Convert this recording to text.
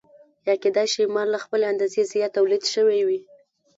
یا کېدای شي مال له خپلې اندازې زیات تولید شوی وي